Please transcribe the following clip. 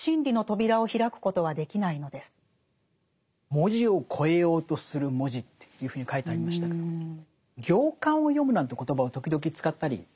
「文字を越えようとする文字」っていうふうに書いてありましたけど「行間を読む」なんて言葉を時々使ったりしますね。